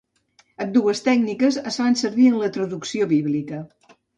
Ambdues tècniques es fan servir en traducció bíblica.